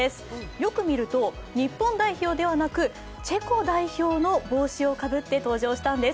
よく見ると、日本代表ではなくチェコ代表の帽子をかぶって登場したんです。